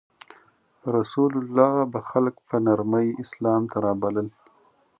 رسول الله به خلک په نرمۍ اسلام ته رابلل.